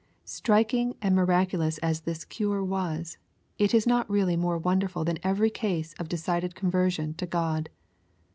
Strik ing and miraculous as this cure was, it is not really more wonderful than every case of decided conversion to God.